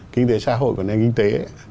kinh tế xã hội và nền kinh tế